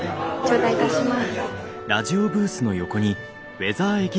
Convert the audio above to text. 頂戴いたします。